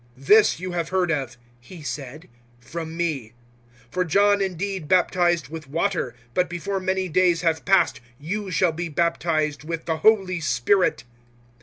"This you have heard of," He said, "from me. 001:005 For John indeed baptized with water, but before many days have passed you shall be baptized with the Holy Spirit."